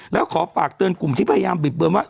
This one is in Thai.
แล้วขอฝากเตือนกลุ่มที่พยายามบิดเบือนว่า